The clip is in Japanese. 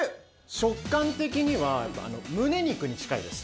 食感的にはむね肉に近いです。